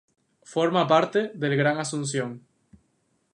Forma parte del Gran Asunción.